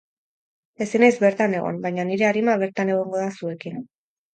Ezin naiz bertan egon, baina nire arima bertan egongo da zuekin.